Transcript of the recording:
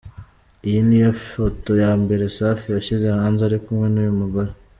Iyi niyo foto ya mbere Safi yashyize hanze ari kumwe n'uyu mugore .